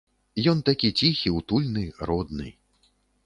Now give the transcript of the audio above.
Ён такі ціхі, утульны, родны.